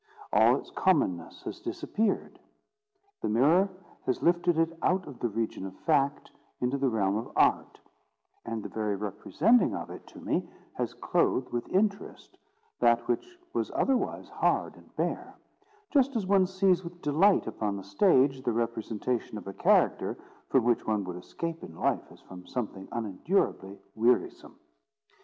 All its commonness has disappeared. The mirror has lifted it out of the region of fact into the realm of art; and the very representing of it to me has clothed with interest that which was otherwise hard and bare; just as one sees with delight upon the stage the representation of a character from which one would escape in life as from something unendurably wearisome.